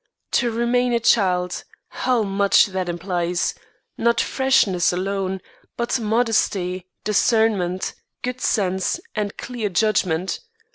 To remain a child! How much that implies, not freshness alone, but modesty, discernment, good sense, and clear judgment!